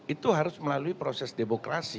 itu harus melalui proses demokrasi